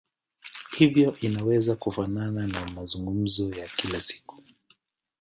Hivyo inaweza kufanana na mazungumzo ya kila siku.